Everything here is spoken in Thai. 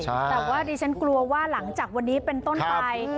แต่ว่าดิฉันกลัวว่าหลังจากวันนี้เป็นต้นไป